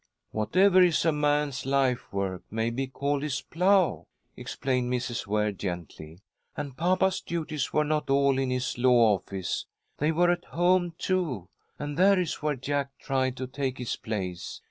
"Whatever is a man's life work may be called his plough," explained Mrs. Ware, gently, "and papa's duties were not all in his law office. They were at home, too, and there is where Jack tried to take his place.